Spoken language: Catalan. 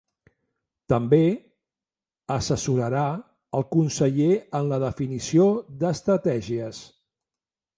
També assessorarà el conseller en la definició d’estratègies.